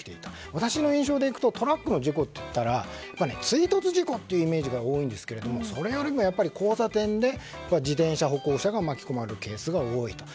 私の印象でいくとトラックの事故といったら追突事故というイメージが多いんですけども、それよりも交差点で自転車、歩行者が巻き込まれるケースが多いと。